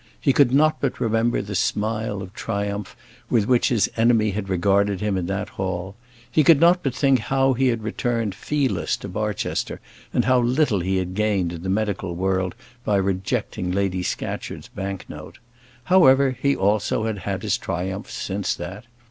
He could not but remember the smile of triumph with which his enemy had regarded him in that hall; he could not but think how he had returned fee less to Barchester, and how little he had gained in the medical world by rejecting Lady Scatcherd's bank note. However, he also had had his triumphs since that.